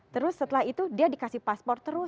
terus setelah itu dia dikasih paspor terus